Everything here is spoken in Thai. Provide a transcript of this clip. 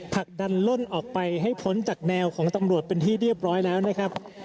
ผลักดันล่นออกไปให้พ้นจากแนวของตำรวจเป็นที่เรียบร้อยแล้วนะครับ